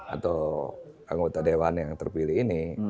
atau anggota dewan yang terpilih ini